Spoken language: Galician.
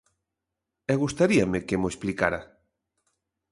E gustaríame que mo explicara.